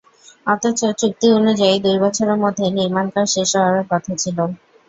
অথচ চুক্তি অনুযায়ী দুই বছরের মধ্যে নির্মাণকাজ শেষ করার কথা ছিল।